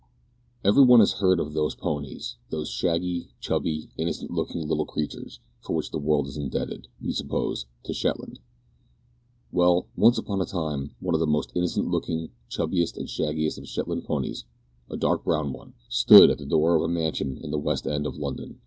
Every one has heard of those ponies those shaggy, chubby, innocent looking little creatures for which the world is indebted, we suppose, to Shetland. Well, once on a time, one of the most innocent looking, chubbiest, and shaggiest of Shetland ponies a dark brown one stood at the door of a mansion in the west end of London.